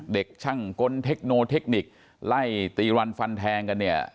เด็กช่างกลเทคโนเทคนิคไล่ตีรันฟันแทงกันเนี่ย